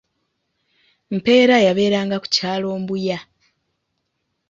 Mpeera yabeeranga ku kyalo Mbuya.